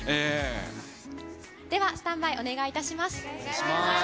ではスタンバイお願いいたします。